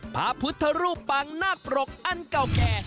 พระพุทธรูปปังนาคปรกอันเก่าแก่